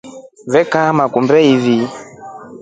Vee kaama kumbe ivili.